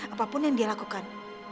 apapun yang dia lakukan